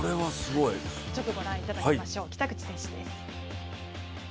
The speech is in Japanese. ご覧いただきましょう北口選手です。